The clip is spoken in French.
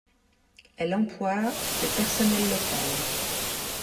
Elle emploie le personnel local.